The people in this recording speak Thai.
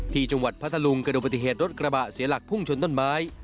ที่จังหวัดพระทะลุงเกิดอุบัติเหตุรถกระบะเสียหลักพุ่งชนต้นไม้